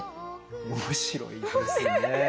面白いですね。